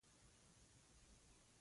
دا سمه ده